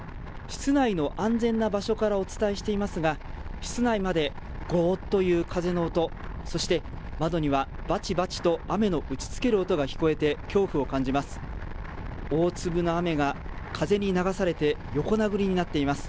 室内の安全な場所からお伝えしていますが、室内まで、ごーっという風の音、そして、窓にはばちばちと雨の打ちつける音が聞こえて、恐怖を感じます。